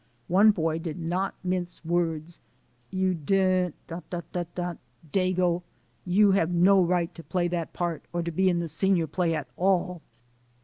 One boy did not mince words : "You d dago ! You have no right to play that part or to be in the senior play at all."